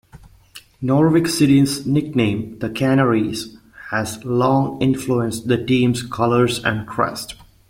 Norwich City's nickname, "The Canaries", has long influenced the team's colours and crest.